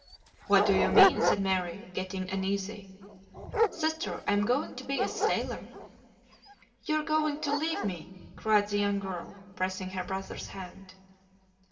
"What do you mean?" said Mary, getting uneasy. "Sister, I am going to be a sailor!" "You are going to leave me!" cried the young girl, pressing her brother's hand.